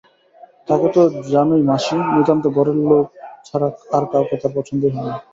তাঁকে তো জানই মাসি, নিতান্ত ঘরের লোক ছাড়া আর-কাউকে তাঁর পছন্দই হয় না।